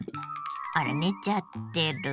あら寝ちゃってる。